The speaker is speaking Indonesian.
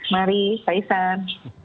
mari pak iksan